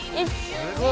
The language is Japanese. すごい！